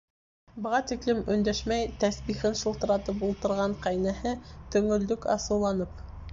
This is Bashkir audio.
Быға тиклем өндәшмәй тәсбихен шылтыратып ултырған ҡәйнәһе Төңөлдөк, асыуланып: